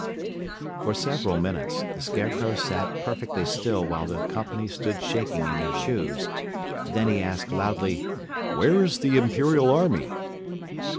For several minutes, the Scarecrow sat perfectly still while the company stood shaking in their shoes. Then he asked loudly, "Where is the Imperial Army?"